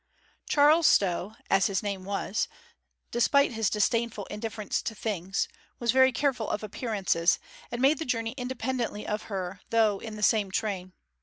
Charles Stow (as his name was), despite his disdainful indifference to things, was very careful of appearances, and made the journey independently of her though in the same train.